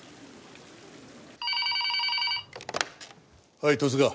はい十津川。